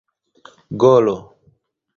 golo